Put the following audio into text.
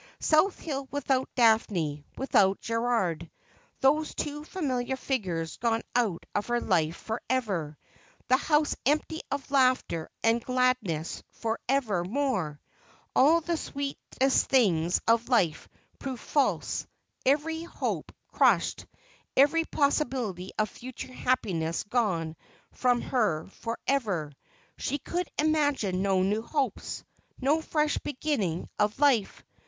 South Bill without Daphne, without Gerald — those two familiar figures gone out of her life for ever ; the house empty of laughter and gladness for ever more ! All the sweetest things of life proved false, every hope crushed, every possibility of future happiness gone from her for ever ! She could imagine no new hopes, no fresh beginning of life.